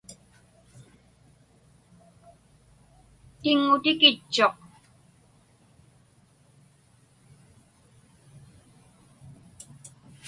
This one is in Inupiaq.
Tiŋŋutikitchuq.